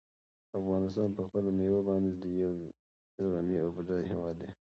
افغانستان په خپلو مېوو باندې یو ډېر غني او بډای هېواد دی.